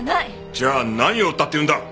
じゃあ何を撃ったって言うんだ？